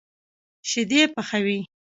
شيدې پخوي.